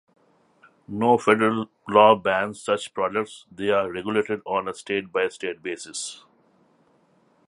No federal law bans such products; they are regulated on a state-by-state basis.